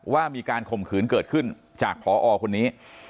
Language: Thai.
ว่ามีการข่มขืนเกิดขึ้นจากพอคนนี้